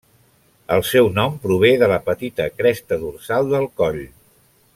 El seu nom prové de la petita cresta dorsal del coll.